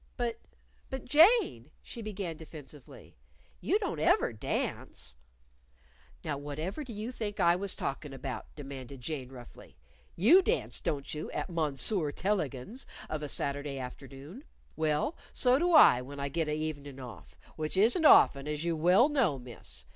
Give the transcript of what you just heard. "But but, Jane," she began defensively, "you don't ever dance." "Now, whatever do you think I was talkin' about?" demanded Jane, roughly. "You dance, don't you, at Monsoor Tellegen's, of a Saturday afternoon? Well, so do I when I get a' evenin' off, which isn't often, as you well know, Miss.